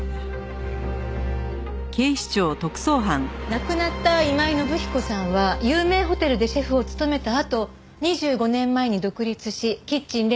亡くなった今井信彦さんは有名ホテルでシェフを務めたあと２５年前に独立しキッチン・レードルを開業。